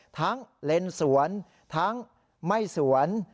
ทั้งเล่นสวนทั้งไม่สวน